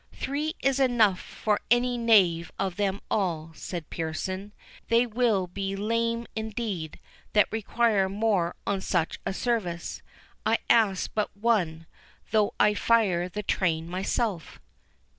"Three is enough for any knave of them all," said Pearson. "They will be lame indeed, that require more on such a service.—I ask but one, though I fire the train myself."